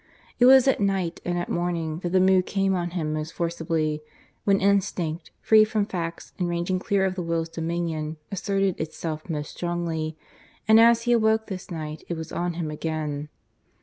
It was at night and at morning that the mood came on him most forcibly; when instinct, free from facts, and ranging clear of the will's dominion, asserted itself most strongly, and as he awoke this night it was on him again.